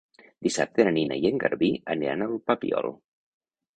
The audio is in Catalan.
Dissabte na Nina i en Garbí aniran al Papiol.